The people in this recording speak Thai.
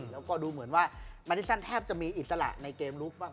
แล้วก็ดูเหมือนแทบจะมีมีอินสละในเกมลุคมาก